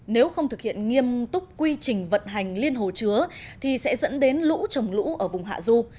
nếu không thực hiện nghiêm túc quy trình vận hành liên hồ chứa thì sẽ dẫn đến lũ trồng lũ ở vùng hạ du